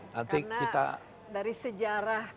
karena dari sejarah